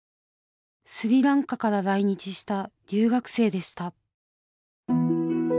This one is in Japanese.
スリランカから来日した留学生でした。